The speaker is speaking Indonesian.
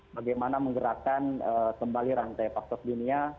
bagaimana menggerakkan kembali rantai pasok dunia